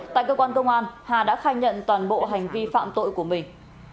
tại cơ quan công an hà đã khai nhận toàn bộ hành vi phạm tội của mình